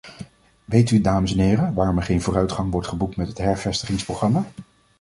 Weet u, dames en heren, waarom er geen vooruitgang wordt geboekt met het hervestigingsprogramma?